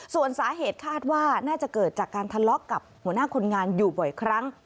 ส่วนสาเหตุคาดว่าน่าจะเกิดจากการทะเลาะกับหัวหน้าคนงานอยู่บ่อยครั้ง